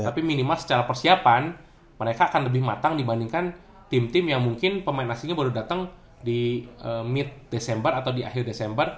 tapi minimal secara persiapan mereka akan lebih matang dibandingkan tim tim yang mungkin pemain aslinya baru datang di meet desember atau di akhir desember